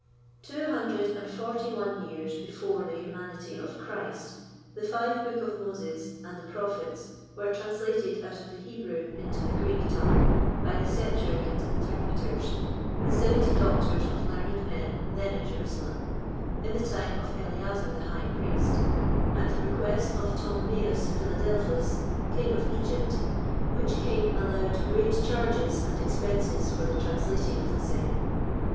Two hundred and forty one years before the humanity of Christ, the Five Books of Moses, and the Prophets, were translated out of the Hebrew into the Greek tongue by the Septuagint Interpreters, the seventy doctors or learned men then at Jerusalem, in the time of Eleazar the High priest, at the request of Ptolemeus Philadelphus, King of Egypt, which King allowed great charges and expenses for the translating of the same.